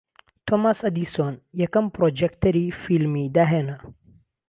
تۆماس ئەدیسۆن یەکەم پڕۆجێکتەری فیلمی داھێنا